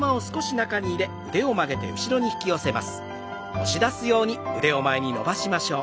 押し出すように前に伸ばしましょう。